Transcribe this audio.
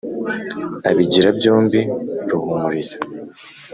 Abigira byombi Ruhumuriza